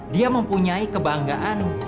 dia mempunyai kebanggaan